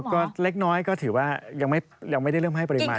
ก็เล็กน้อยก็ถือว่ายังไม่ได้เริ่มให้ปริมาณ